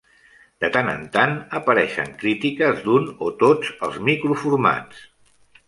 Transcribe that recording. De tant en tant, apareixen crítiques d'un, o tots, els microformats.